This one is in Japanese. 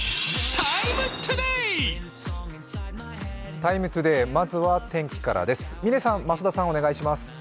「ＴＩＭＥ，ＴＯＤＡＹ」、まずは天気からです。